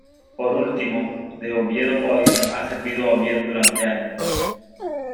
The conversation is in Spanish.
Por último, "The Oviedo Voice" ha servido a Oviedo durante años.